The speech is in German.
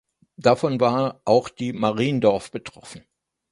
Davon war auch die "Mariendorf" betroffen.